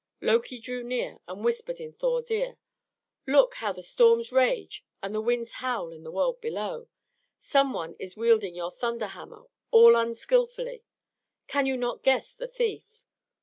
Loki drew near and whispered in Thor's ear. "Look, how the storms rage and the winds howl in the world below! Someone is wielding your thunder hammer all unskilfully. Can you not guess the thief?